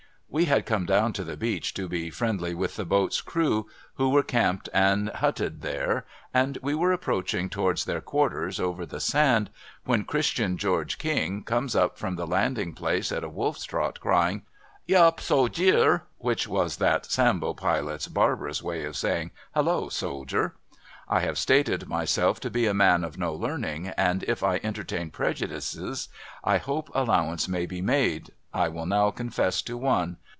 We had come down to the beach, to be friendly with the boat's crew who were camped and hutted there ; and we were approaching towards their quarters over the sand, when Christian George King comes up from the landing place at a wolf's trot, crying, ' Yup, So Jeer !'— which was that Sambo Pilot's barbarous way of saying, Hallo, Soldier ! I have stated myself to be a man of no learning, and, if I entertain prejudices, I hope allowance may be made. I will now confess to one.